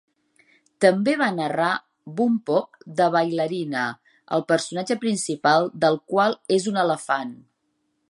També va narrar "Bumpo the Ballerina", el personatge principal del qual és un elefant.